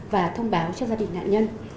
và thông báo cho gia đình nạn nhân